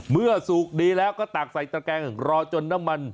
เมื่อสูบดีแล้วก็ตากใส่ตะแกงรอจนน้ำมัน